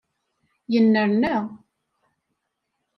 Yennerna.